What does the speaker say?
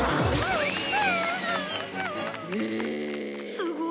すごい。